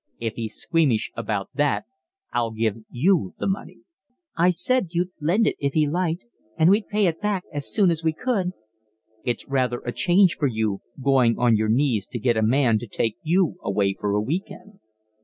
"If he's squeamish about it I'll give YOU the money." "I said you'd lend it if he liked, and we'd pay it back as soon as we could." "It's rather a change for you going on your knees to get a man to take you away for a week end."